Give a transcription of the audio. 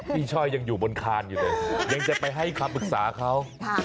ช่อยังอยู่บนคานอยู่เลยยังจะไปให้คำปรึกษาเขา